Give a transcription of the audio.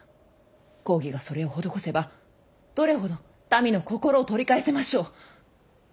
公儀がそれを施せばどれほど民の心を取り返せましょう。